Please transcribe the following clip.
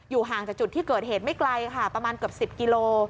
ห่างจากจุดที่เกิดเหตุไม่ไกลค่ะประมาณเกือบ๑๐กิโล